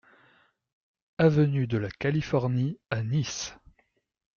Avenue de la Californie à Nice